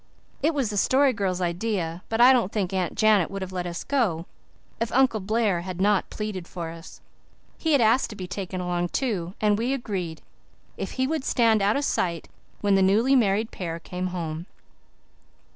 It was the Story Girl's idea, but I don't think Aunt Janet would have let us go if Uncle Blair had not pleaded for us. He asked to be taken along, too, and we agreed, if he would stand out of sight when the newly married pair came home.